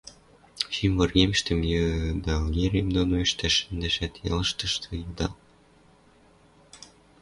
Шим выргемӹштӹм йыдалгерем доно ӹштал шӹндӓт, ялыштышты – йыдал.